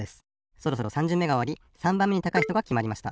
そろそろ３じゅんめがおわり３ばんめに高いひとがきまりました。